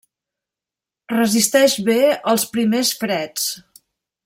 Resisteix bé els primers freds.